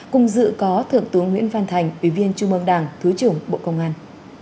cùng dự có thượng tướng nguyễn văn thành ủy viên trung mương đảng thứ trưởng bộ công an